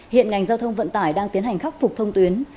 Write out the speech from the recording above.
hiện ngành giao thông vận tải đang tiến hành khắc phục thông tuyến